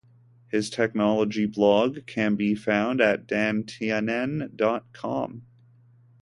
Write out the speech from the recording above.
His technology blog can be found at DanTynan dot com.